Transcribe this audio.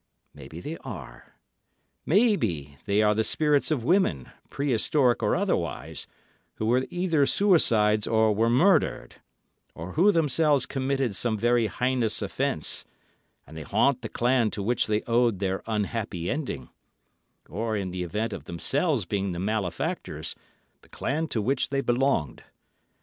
Maybe they are. Maybe they are the spirits of women, prehistoric or otherwise, who were either suicides or were murdered, or who themselves committed some very heinous offence; and they haunt the clan to which they owed their unhappy ending; or, in the event of themselves being the malefactors, the clan to which they belonged.